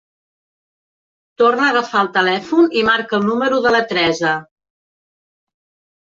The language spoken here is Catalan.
Torna a agafar el telèfon i marca el número de la Teresa.